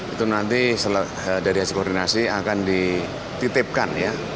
itu nanti dari hasil koordinasi akan dititipkan ya